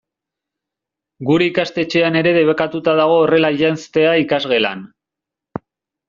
Gure ikastetxean ere debekatuta dago horrela janztea ikasgelan.